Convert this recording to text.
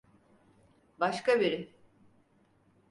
Başka biri.